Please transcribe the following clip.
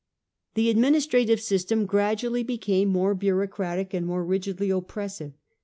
The administrative system gradually became more bureaucratic and more rigidly oppressive.